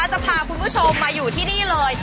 จะพาคุณผู้ชมมาอยู่ที่นี่เลย